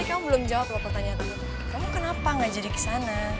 kamu kenapa gak jadi kesana